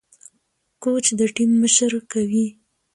کوچ د ټيم مشري کوي.